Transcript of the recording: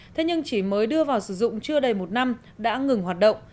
thế nhưng chỉ mới đưa vào sử dụng chưa đầy một năm đã ngừng hoạt động